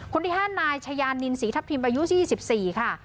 คนที่๕นายชายานินศรีทัพทิมอายุ๒๔ค่ะ